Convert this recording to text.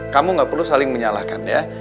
kamu gak perlu saling menyalahkan ya